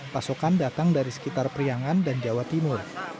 pasokan datang dari sekitar priangan dan jawa timur